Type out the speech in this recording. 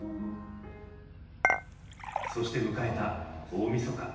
そして迎えた大みそか。